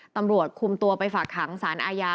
ตำรวจคุมตัวไปฝากขังสารอาญา